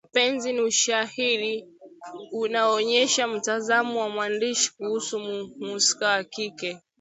mpenzi ni ushahidi unaoonyesha mtazamo wa mwandishi kuhusu mhusika wa kike